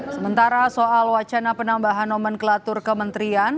sementara soal wacana penambahan nomenklatur kementerian